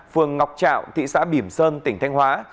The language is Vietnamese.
phường ngọc trạo thị xã bỉm sơn tỉnh thanh hóa